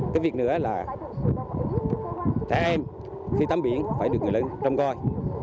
cái việc nữa là trẻ em khi tắm biển phải được người lớn trông coi